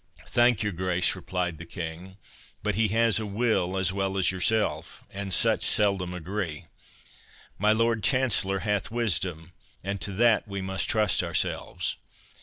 "Thank your Grace," replied the King; "but he has a will as well as yourself, and such seldom agree. My Lord Chancellor hath wisdom, and to that we must trust ourselves.